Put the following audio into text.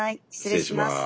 失礼します。